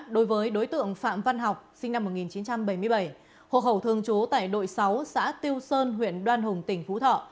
đối với đối tượng phạm văn học sinh năm một nghìn chín trăm bảy mươi bảy hộ khẩu thường trú tại đội sáu xã tiêu sơn huyện đoan hùng tỉnh phú thọ